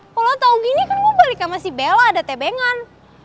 kalau tau gini kan gue balik sama si bella ada tebengan